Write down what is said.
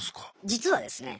実はですね